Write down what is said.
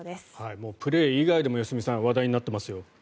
もうプレー以外でも良純さん、話題になってますよ。